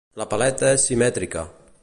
La paleta és simètrica.